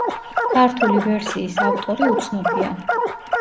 ქართული ვერსიის ავტორი უცნობია.